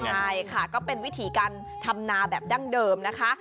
ใช่ค่ะก็เป็นวิถีการทำนาแบบดั้งเดิมนะคะ